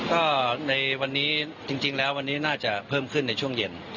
ก็ในวันนี้จริงแล้ววันนี้น่าจะเพิ่มขึ้นในช่วงเย็น